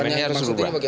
bumn nya harus berubah